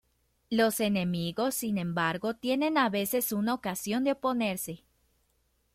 Los enemigos, sin embargo, tienen a veces una ocasión de oponerse.